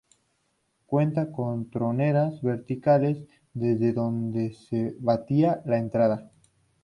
Cuenta con troneras verticales desde donde se batía la entrada.